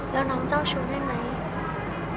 แล้วน้องเจ้าชู้ได้ไหม